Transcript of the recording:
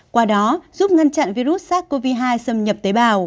qua đó giúp ngăn chặn virus sars cov hai xâm nhập tế bào